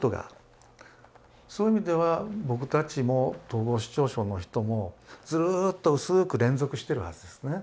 そういう意味では僕たちも統合失調症の人もずっと薄く連続してるはずですね。